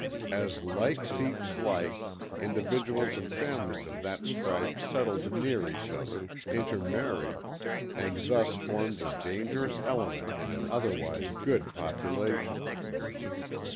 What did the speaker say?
As like seeks like, individuals and families of that stripe settled near each other, intermarried, and thus formed a dangerous element in an otherwise good population.